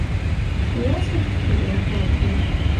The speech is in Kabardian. Уэ сыт хуиӀуэху абы?